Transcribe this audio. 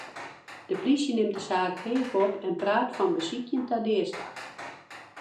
De plysje nimt de saak heech op en praat fan besykjen ta deaslach.